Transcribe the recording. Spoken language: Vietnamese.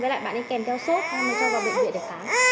với lại bạn ấy kèm theo sốt cho vào viện viện để khám